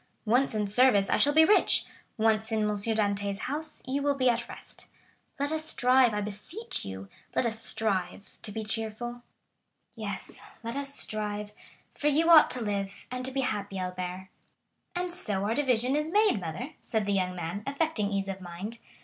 Once in service, I shall be rich—once in M. Dantès' house, you will be at rest. Let us strive, I beseech you,—let us strive to be cheerful." "Yes, let us strive, for you ought to live, and to be happy, Albert." "And so our division is made, mother," said the young man, affecting ease of mind.